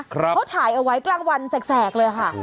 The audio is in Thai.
เขาถ่ายเอาไว้กลางวันแสกเลยค่ะ